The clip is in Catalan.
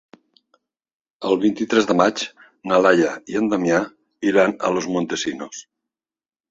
El vint-i-tres de maig na Laia i en Damià iran a Los Montesinos.